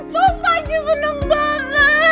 bapak cu seneng banget